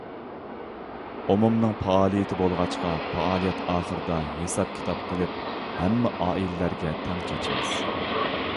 ئومۇمنىڭ پائالىيىتى بولغاچقا، پائالىيەت ئاخىرىدا ھېساب-كىتاب قىلىپ، ھەممە ئائىلىلەرگە تەڭ چاچىمىز.